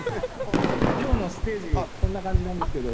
今日のステージこんな感じなんですけど。